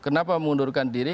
kenapa mengundurkan diri